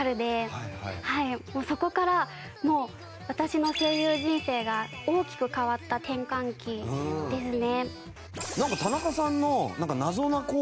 そこからもう私の声優人生が大きく変わった転換期ですね。